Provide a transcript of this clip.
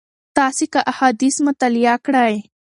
تاسي که احاديث مطالعه کړئ